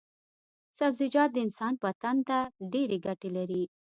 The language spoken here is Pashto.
سبزيجات د انسان بدن ته ډېرې ګټې لري.